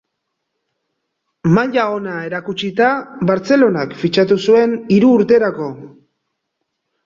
Maila ona erakutsita, Bartzelonak fitxatu zuen hiru urterako.